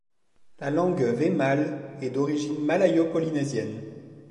La langue wemale est d'origine malayo-polynésienne.